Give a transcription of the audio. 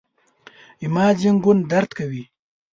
زما زنګون درد کوي